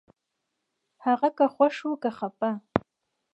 هغه که خوښ و که خپه